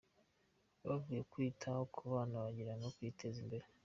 Bavuye kwita ku bana bagera no kwiteza imbere.